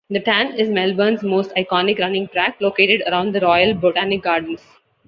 The Tan is Melbourne's most iconic running track, located around the Royal Botanic Gardens.